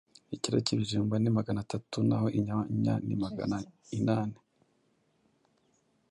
Ikiro ki ibijumba ni Magana atatu naho inyanya ni Magana inani